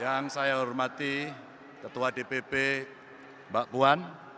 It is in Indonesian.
yang saya hormati ketua dpp mbak puan